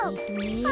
あ。